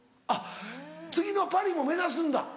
あっ次のパリも目指すんだ？